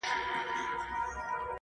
ښايي زما د مرگ لپاره څه خيال وهي~